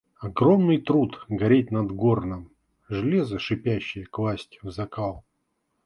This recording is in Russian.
Огромный труд – гореть над горном, железа шипящие класть в закал.